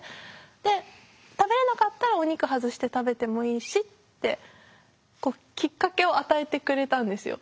で食べれなかったらお肉外して食べてもいいしってきっかけを与えてくれたんですよ。